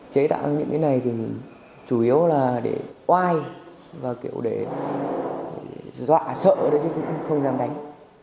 chế tạo những cái này thì chủ yếu là để oai và kiểu để dọa sợ chứ cũng không dám đánh